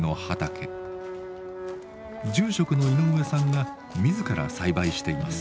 住職の井上さんが自ら栽培しています。